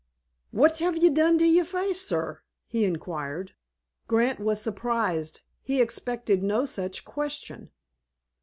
"What hev' ye done to yer face, sir?" he inquired. Grant was surprised. He expected no such question.